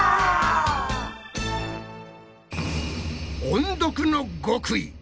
音読の極意！